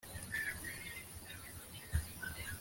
itegeko ryonyine rya zahabu nuko ufite zahabu akora amategeko